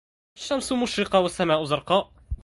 الشمس مشرقة والسماء زرقاء.